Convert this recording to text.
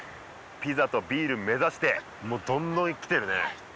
ピザとビール目指してどんどんきてるね